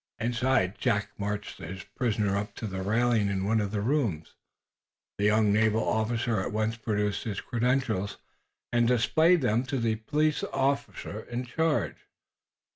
Inside Jack marched his prisoner up to the railing in one of the rooms. The young naval officer at once produced his credentials and displayed them to the police official in charge.